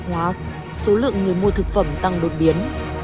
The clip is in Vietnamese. khi nhận tại các cửa hàng tạp hóa số lượng người mua thực phẩm tăng đột biến